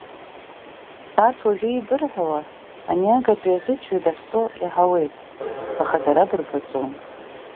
Арҭ уажәы еибырҳәауа ани агатәи аӷьычҩы дахьтәоу иаҳауеит, аха дара дырбаӡом.